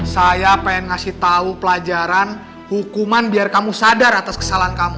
saya pengen ngasih tahu pelajaran hukuman biar kamu sadar atas kesalahan kamu